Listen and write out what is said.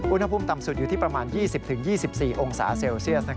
อุณหภูมิต่ำสุดอยู่ที่ประมาณ๒๐๒๔องศาเซลเซียส